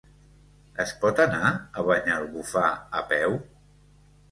Es pot anar a Banyalbufar a peu?